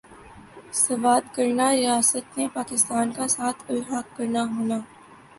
سوات کرنا ریاست نے پاکستان کا ساتھ الحاق کرنا ہونا